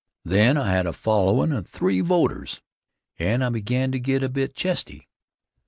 Then I had a followin' of three voters and I began to get a bit chesty.